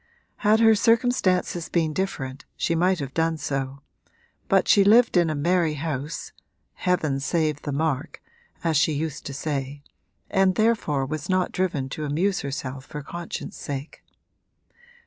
Had her circumstances been different she might have done so, but she lived in a merry house (heaven save the mark! as she used to say) and therefore was not driven to amuse herself for conscience sake.